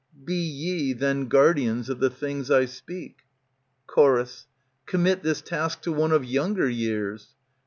Be ye then guardians of the things I speak. Chor, Commit this task to one of younger years.